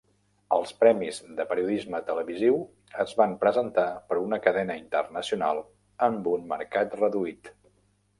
Els premis de periodisme televisiu es van presentar per una cadena internacional amb un mercat reduït.